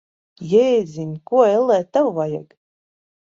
Jēziņ! Ko, ellē, tev vajag?